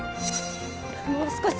もう少し！